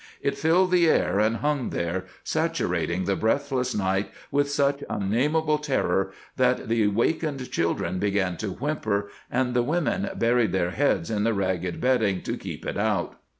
It filled the air and hung there, saturating the breathless night with such unnamable terror that the wakened children began to whimper and the women buried their heads in the ragged bedding to keep it out.